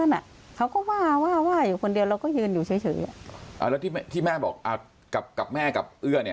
น่าจะเกิดเหตุนะ